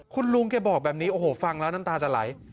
คุณลุงเขาบอกแบบนี้ฟังแล้วน้ำตาจะไหล